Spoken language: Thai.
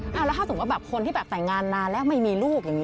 แล้วถ้าสมมุติแบบคนที่แบบแต่งงานนานแล้วไม่มีลูกอย่างนี้